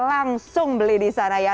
langsung beli di sana ya